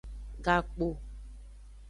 Gakpo.